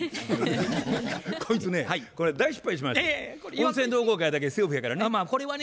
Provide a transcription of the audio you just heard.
温泉同好会だけセーフやからね。